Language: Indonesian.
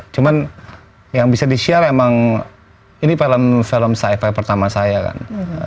cuma yang bisa di share emang ini film si file pertama saya kan